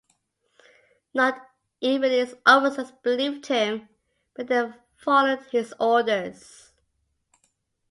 Not even his officers believed him, but they followed his orders.